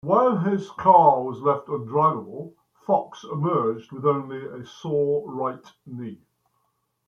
While his car was left undriveable, Fox emerged with only a sore right knee.